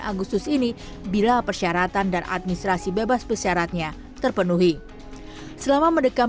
agustus ini bila persyaratan dan administrasi bebas persyaratnya terpenuhi selama mendekam